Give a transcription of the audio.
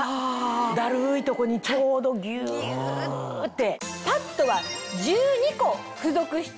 だるいとこにちょうどぎゅって。